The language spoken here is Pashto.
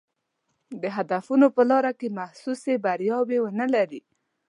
د هدفونو په لاره کې محسوسې بریاوې ونه لري.